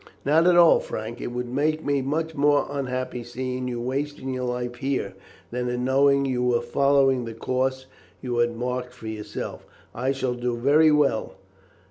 "Not at all, Frank. It would make me much more unhappy seeing you wasting your life here, than in knowing you were following the course you had marked for yourself. I shall do very well.